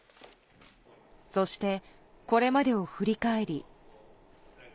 そして、これまでを振り返り。